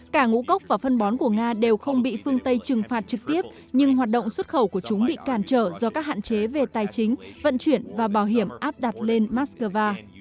cả ngũ cốc và phân bón của nga đều không bị phương tây trừng phạt trực tiếp nhưng hoạt động xuất khẩu của chúng bị cản trở do các hạn chế về tài chính vận chuyển và bảo hiểm áp đặt lên moscow